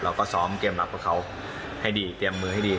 เราก็ซ้อมเกมรับกับเขาให้ดีเตรียมมือให้ดี